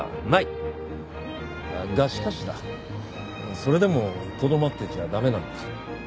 がしかしだそれでもとどまってちゃ駄目なんだ。